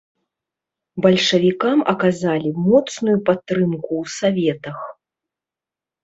Бальшавікам аказалі моцную падтрымку ў саветах.